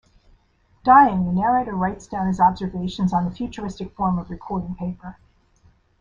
Dying, the narrator writes down his observations on a futuristic form of recording paper.